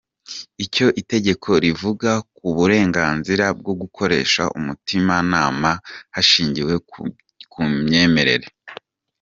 Icyo itegeko rivuga ku burenganzira bwo gukoresha umutimanama hashingiwe ku myemerere.